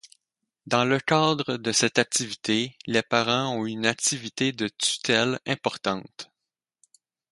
Dans le cadre de cette activité, les parents ont une activité de tutelle importante.